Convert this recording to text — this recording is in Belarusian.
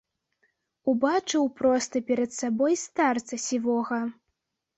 Убачыў проста перад сабой старца сівога.